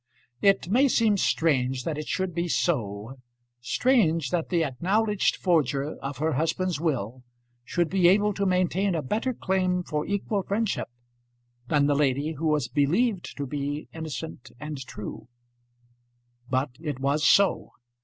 It may seem strange that it should be so strange that the acknowledged forger of her husband's will should be able to maintain a better claim for equal friendship than the lady who was believed to be innocent and true! But it was so.